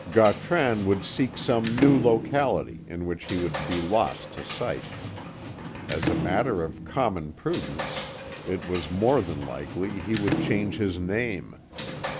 Gautran would seek some new locality, in which he would be lost to sight. As a matter of common prudence, it was more than likely he would change his name.